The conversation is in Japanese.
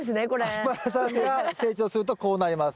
アスパラさんが成長するとこうなります。